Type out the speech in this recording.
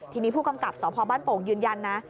ทีนี้ผู้กำกับสพบ้านโป่งยืนยันนะ